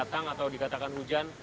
diatang atau dikatakan hujan